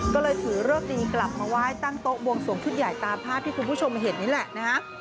ก็เลยถือเลิกดีกลับมาไหว้ตั้งโต๊ะบวงสวงชุดใหญ่ตามภาพที่คุณผู้ชมเห็นนี่แหละนะฮะ